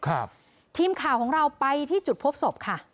ทีมข่าวของเราไปที่จุดพบศพค่ะ